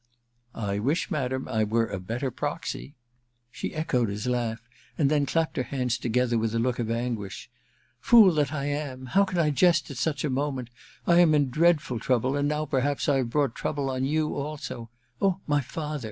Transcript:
* I wish, madam, I were a better proxy !' She echoed his laugh, and then clapped her hands together with a look of anguish. ^ Fool that I am ! How can I jest at such a moment ? I am in dreadful trouble, and now perhaps I have brought trouble on you also Oh, my father